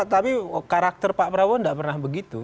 tapi karakter pak prabowo tidak pernah begitu